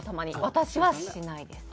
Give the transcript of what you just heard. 私はしないです。